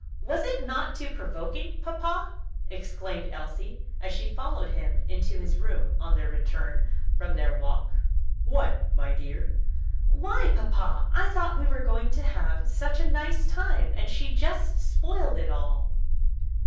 "Was it not too provoking, papa?" exclaimed Elsie, as she followed him into his room on their return from their walk. "What, my dear?" "Why, papa, I thought we were going to have such a nice time, and she just spoiled it all."